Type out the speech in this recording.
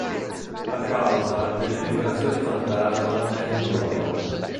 La causa delle vibrazioni fantasma è ignota.